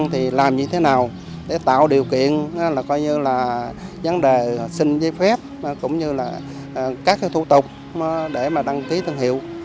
thì làm như thế nào để tạo điều kiện là coi như là vấn đề xin giấy phép cũng như là các cái thủ tục để mà đăng ký thương hiệu